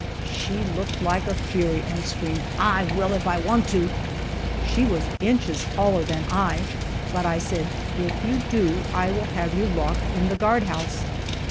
She looked like a fury and screamed, "I will if I want to!" She was inches taller than I, but I said, "If you do, I will have you locked in the guardhouse."